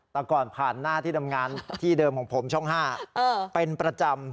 แต่ก่อนผ่านหน้าที่ทำงานที่เดิมของผมช่อง๕เป็นประจำ